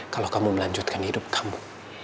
kalau kamu melanjutkan hidup kamu